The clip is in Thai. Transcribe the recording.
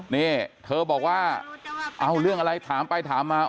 นี่เธอบอกว่าเอาเรื่องอะไรถามไปถามมา